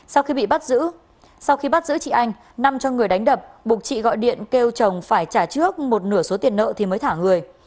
sau khi bị bắt giữ sau khi bắt giữ chị anh nam cho người đánh đập buộc chị gọi điện kêu chồng phải trả trước một nửa số tiền nợ thì mới thả người